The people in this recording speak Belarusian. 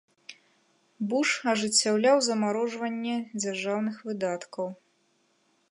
Буш ажыццяўляў замарожванне дзяржаўных выдаткаў.